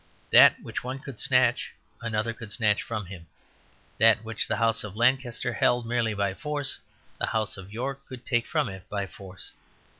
That which one could snatch another could snatch from him; that which the House of Lancaster held merely by force the House of York could take from it by force.